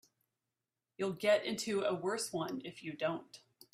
You'll get into a worse one if you don't.